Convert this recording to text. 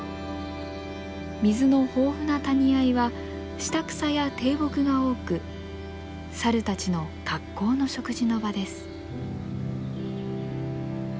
水の豊富な谷あいは下草や低木が多くサルたちの格好の食事の場です。